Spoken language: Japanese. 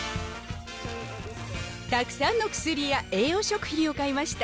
たくさんの薬や栄養食品を買いました。